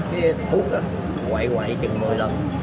cái thuốc quậy quậy chừng một mươi lần